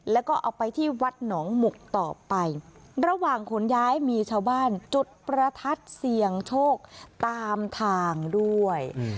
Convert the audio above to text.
แล้วก็เอาไปที่วัดหนองหมุกต่อไประหว่างขนย้ายมีชาวบ้านจุดประทัดเสี่ยงโชคตามทางด้วย